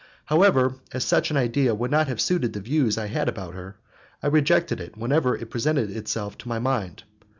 However, as such an idea would not have suited the views I had about her, I rejected it whenever it presented itself to my mind.